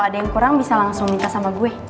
ada yang kurang bisa langsung minta sama gue